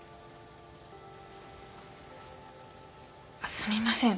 すみません。